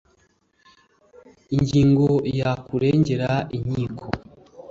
ingingo ya ukuregera inkiko